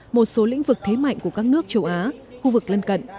một số lĩnh vực thế mạnh của các nước châu á khu vực lân cận